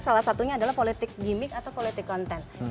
salah satunya adalah politik gimmick atau politik konten